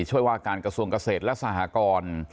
ช่วยว่าการกระทรวงเกษตรและสหกร